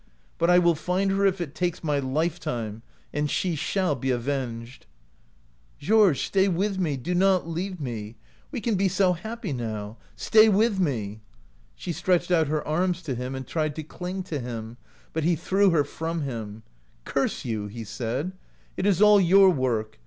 ' But I will find her if it takes my lifetime, and she shall be avenged/ "'Georges, stay with me — do not leave me! We can be so happy now — stay with me!' She stretched out her arms to him and tried to cling to him, but he threw her from him. "' Curse you! ' he said, ' it is all your work.